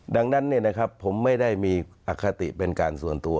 ดังนั้นเนี่ยนะครับผมไม่ได้มีอคติเป็นการส่วนตัว